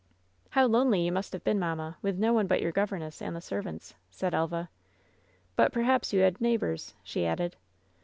"How lonely you must have been, mamma, with no one but your governess and the servants," said Elva. "But perhaps you had neighbors," she added.